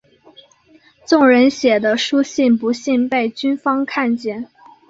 众人写的书信不幸被军方看见。